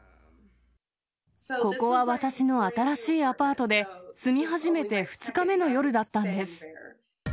ここは私の新しいアパートで、住み始めて２日目の夜だったんです。